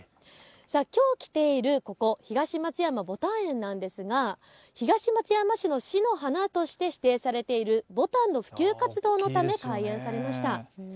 きょう来ているここ、東松山ぼたん園なんですが東松山市の市の花として指定されているぼたんの普及活動のため開園されました。